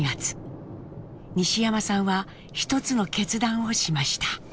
西山さんは一つの決断をしました。